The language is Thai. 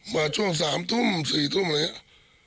มาช่วง๓ทุ่ม๔ทุ่มอะไรอย่างนี้